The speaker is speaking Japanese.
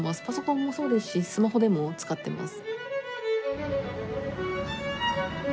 パソコンもそうですしスマホでも使ってます。